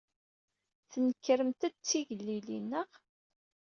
Tnekremt-d d tigellilin, naɣ?